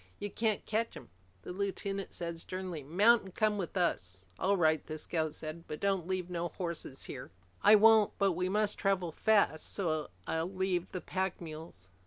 "You can't catch 'em." The lieutenant said sternly, "Mount and come with us." "All right," the scout said. "But don't leave no horses here!" "I won't. But we must travel fast so I'll leave the pack mules."